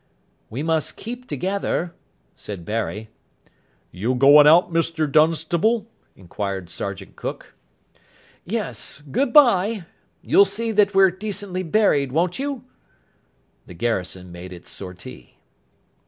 "We must keep together," said Barry. "You goin' out, Mr Dunstable?" inquired Sergeant Cook. "Yes. Good bye. You'll see that we're decently buried won't you?" The garrison made its sortie.